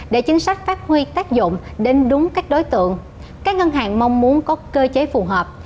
để chính sách phát huy tác dụng đến đúng các đối tượng các ngân hàng mong muốn có cơ chế phù hợp